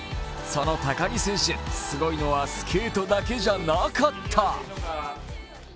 その高木選手、すごいのはスケートだけじゃなかった。